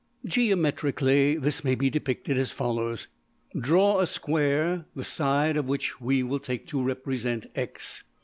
5in]{018a} Geometrically this may be depicted as follows: Draw a square (\Fig) the side of which we will take to represent~$x$.